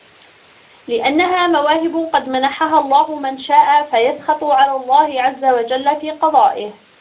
لِأَنَّهَا مَوَاهِبُ قَدْ مَنَحَهَا اللَّهُ مَنْ شَاءَ فَيَسْخَطُ عَلَى اللَّهِ عَزَّ وَجَلَّ فِي قَضَائِهِ